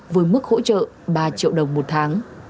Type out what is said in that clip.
với mức hỗ trợ ba triệu đồng một tháng